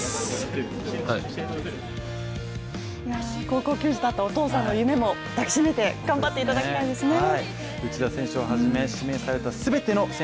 高校球児だったお父さんの夢も抱きしめて頑張っていただきたいですね。